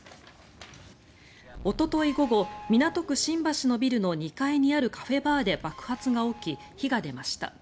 おととい午後、港区新橋のビルの２階にあるカフェバーで爆発が起き、火が出ました。